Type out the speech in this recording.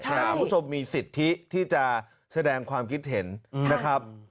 แต่คุณผู้ชมมีสิทธิที่จะแสดงความคิดเห็นนะครับ